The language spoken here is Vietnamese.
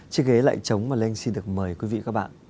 chiếc ghế lại trống mà lê anh xin được mời quý vị các bạn